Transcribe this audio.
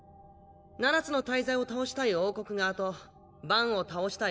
七つの大罪を倒したい王国側とバンを倒したい